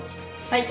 はい。